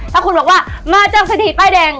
ถ้าคุณบอกว่ามาจากเศรษฐีป้ายแดง